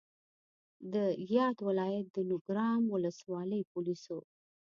د یاد ولایت د نورګرام ولسوالۍ پولیسو